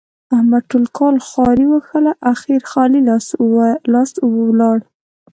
احمد ټول کال خواري وکښلې؛ اخېر خالي لاس ولاړ.